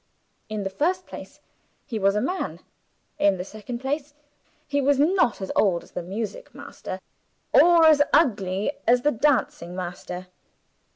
In the first place, he was a man. In the second place, he was not as old as the music master, or as ugly as the dancing master.